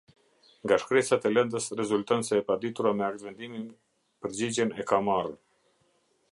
Nga shkresat e lëndës rezulton se e paditura me aktvendimin përgjigjen e ka marrë.